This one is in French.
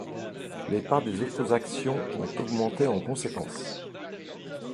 Les parts des autres actions ont augmenté en conséquence.